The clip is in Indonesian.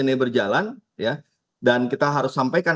ini berjalan dan kita harus sampaikan